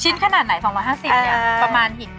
ขนาดไหน๒๕๐เนี่ยประมาณหิน